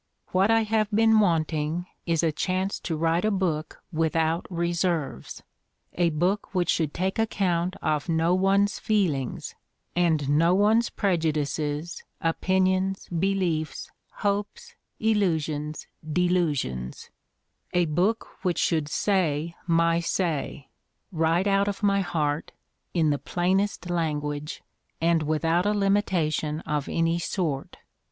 What I have been want ing is a chance to write a book without reserves — a book which should take account of no one's feelings, and no one's prejudices, opinions, beliefs, hopes, illusions, delu sions : a book which should say my say, right out of my heart, in the plainest language and without a limitation of any sort.